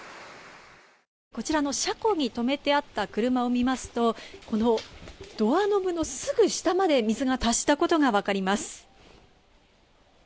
こちらの車庫に止めてあった車を見ますとこのドアノブのすぐ下まで水が達したことがわかります。